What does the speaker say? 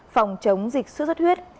phòng chống dịch suốt huyết